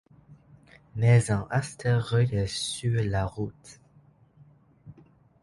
Mais un astéroïde est sur la route.